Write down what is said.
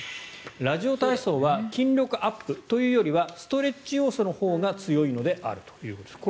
ラジオ体操は筋力アップというよりはストレッチ要素のほうが強いのであるということです。